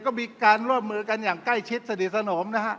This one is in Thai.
ก็มีการร่วมมือกันอย่างใกล้ชิดสนิทสนมนะฮะ